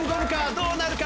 どうなるか？